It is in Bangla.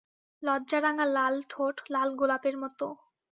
লজ্জা রাঙা লাল ঠোঁট, লাল গোলাপের মতো।